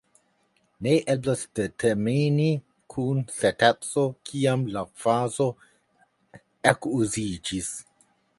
Ne eblas determini kun certeco kiam la frazo ekuziĝis.